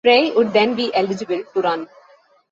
Frei would then be eligible to run.